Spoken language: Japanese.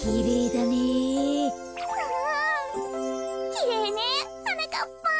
きれいねはなかっぱん。